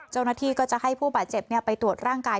เจ้าหน้าที่ก็จะให้ผู้บาดเจ็บไปตรวจร่างกาย